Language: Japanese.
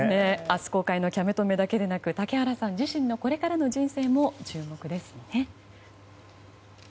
明日公開の「キャメ止め！」だけでなく竹原さん自身のこれからの人生も注目です。